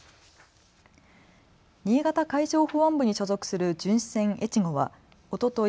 新潟海上保安部に所属する巡視船えちごはおととい